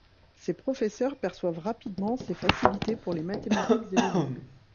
Ses professeurs perçoivent rapidement ses facilités pour les mathématiques et les langues.